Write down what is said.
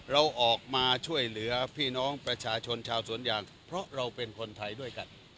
เราออกมาช่วยเหลือพี่น้องประชาชนชาวสวนยางเพราะเราเป็นคนไทยด้วยกัน